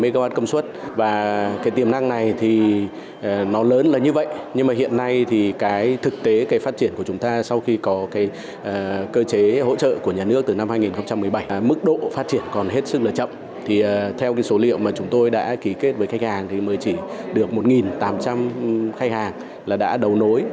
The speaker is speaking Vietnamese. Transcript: chúng tôi đã ký kết với khách hàng mới chỉ được một tám trăm linh khách hàng đã đầu nối